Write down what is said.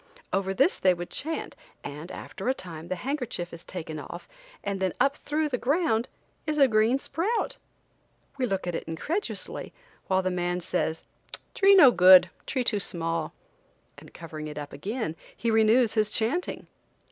Over this they would chant, and after a time the handkerchief is taken off and then up through the ground is a green sprout. We look at it incredulously, while the man says: "Tree no good; tree too small," and covering it up again he renews his chanting.